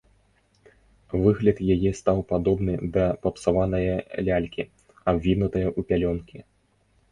Выгляд яе стаў падобны да папсаванае лялькі, абвінутае ў пялёнкі.